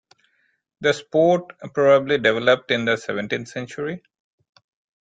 The sport probably developed in the seventeenth century.